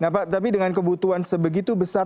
nah pak tapi dengan kebutuhan sebegitu besar